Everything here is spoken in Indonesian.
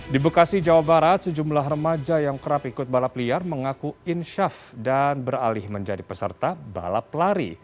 di bekasi jawa barat sejumlah remaja yang kerap ikut balap liar mengaku insyaf dan beralih menjadi peserta balap lari